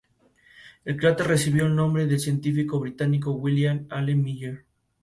Todos ellos componen el Gobierno de Navarra.